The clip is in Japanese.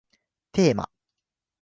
テーマ